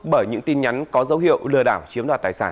bởi những tin nhắn có dấu hiệu lừa đảo chiếm đoạt tài sản